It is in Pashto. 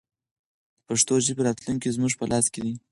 د پښتو ژبې راتلونکی زموږ په لاس کې دی.